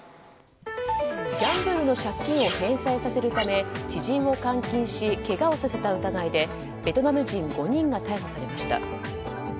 ギャンブルの借金を返済させるため知人を監禁しけがをさせた疑いでベトナム人５人が逮捕されました。